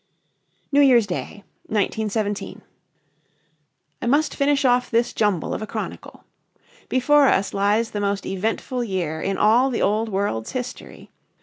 New Year's Day, 1917. I must finish off this jumble of a chronicle. Before us lies the most eventful year in all the old world's history.